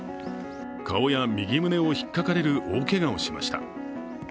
顔や右胸を引っかかれる大けがをしました。